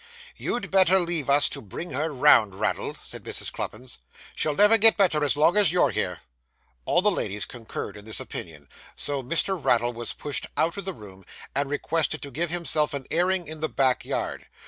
'You'd better leave us to bring her round, Raddle,' said Mrs. Cluppins. 'She'll never get better as long as you're here.' All the ladies concurred in this opinion; so Mr. Raddle was pushed out of the room, and requested to give himself an airing in the back yard.